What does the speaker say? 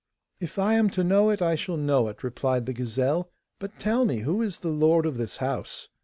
'If I am to know it, I shall know it,' replied the gazelle; 'but tell me, who is the lord of this house?